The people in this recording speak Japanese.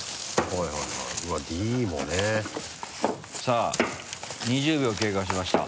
さぁ２０秒経過しました。